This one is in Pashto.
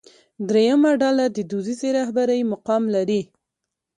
درېیمه ډله د دودیزې رهبرۍ مقام لري.